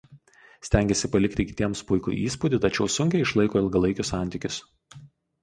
Stengiasi palikti kitiems puikų įspūdį tačiau sunkiai išlaiko ilgalaikius santykius.